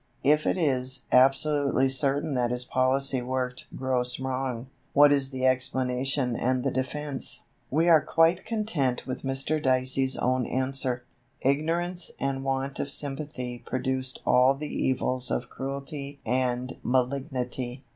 If it is "absolutely certain that his policy worked gross wrong," what is the explanation and the defence? We are quite content with Mr. Dicey's own answer. "Ignorance and want of sympathy produced all the evils of cruelty and malignity.